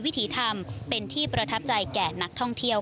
วิถีทำเป็นที่ประทับใจแก่นักท่องเที่ยว